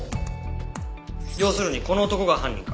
要するにこの男が犯人か。